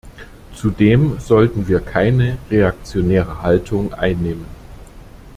Zudem sollten wir keine reaktionäre Haltung einnehmen.